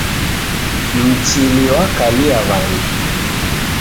Mchili wakalia w'andu.